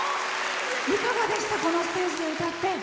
いかがでしたこのステージで歌って。